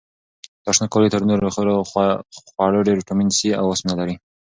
دا شنه کالي تر نورو خوړو ډېر ویټامین سي او وسپنه لري.